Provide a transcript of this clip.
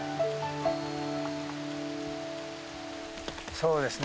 そうですね。